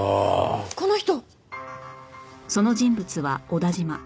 この人！